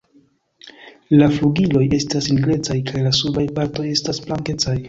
La flugiloj estas nigrecaj kaj la subaj partoj estas blankecaj.